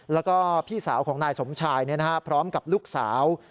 แล้วก็พี่สาวของนายสมชายพร้อมกับลูกสาว